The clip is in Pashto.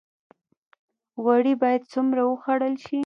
غوړي باید څومره وخوړل شي؟